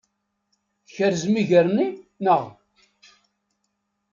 Tkerzem iger-nni, naɣ?